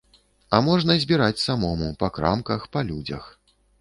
А можна збіраць самому, па крамках, па людзях.